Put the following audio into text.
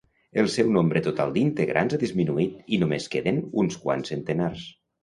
El seu nombre total d'integrants ha disminuït i només queden uns quants centenars.